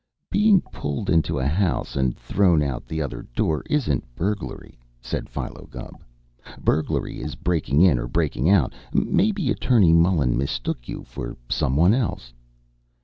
"Being pulled into a house and thrown out the other door isn't burglary," said Philo Gubb. "Burglary is breaking in or breaking out. Maybe Attorney Mullen mistook you for some one else."